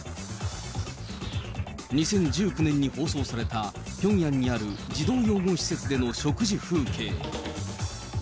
２０１９年に放送されたピョンヤンにある児童養護施設での食事風景。